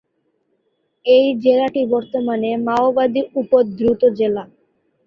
এই জেলাটি বর্তমানে মাওবাদী-উপদ্রুত জেলা।